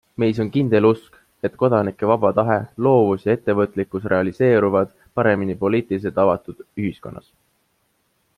Meis on kindel usk, et kodanike vaba tahe, loovus ja ettevõtlikkus realiseeruvad paremini poliitiliselt avatud ühiskonnas.